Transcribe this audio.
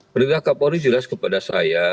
perintah kapolri jelas kepada saya